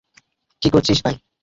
কী করছিস ভাই?